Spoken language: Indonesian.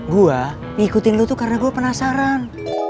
gue ngikutin lu tuh karena gue penasaran